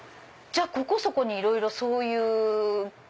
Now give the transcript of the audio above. じゃここそこにいろいろそういう。